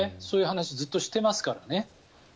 そういう話をずっとしていますからね。